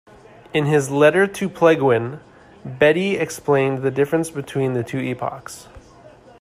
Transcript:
In his "Letter to Plegwin", Bede explained the difference between the two epochs.